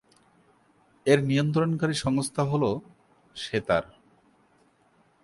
এর নিয়ন্ত্রণকারী সংস্থা হল, সেতার।